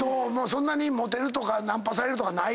そんなにモテるとかナンパされるとかない？